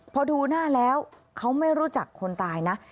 พอดูหน้าแล้วเขาไม่รู้จักคนตายนะ